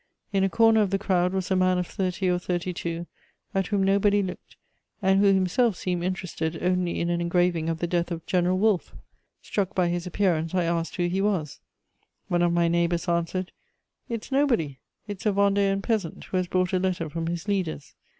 In a corner of the crowd was a man of thirty or thirty two, at whom nobody looked, and who himself seemed interested only in an engraving of the Death of General Wolfe. Struck by his appearance, I asked who he was: one of my neighbours answered: "It's nobody; it's a Vendean peasant who has brought a letter from his leaders."